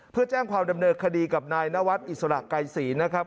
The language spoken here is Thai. เพื่อแจ้งความดำเนินคดีกับนายนวัดอิสระไกรศีลนะครับ